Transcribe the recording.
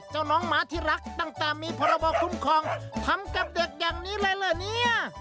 น้องหมาที่รักตั้งแต่มีพรบคุ้มครองทำกับเด็กอย่างนี้เลยเหรอเนี่ย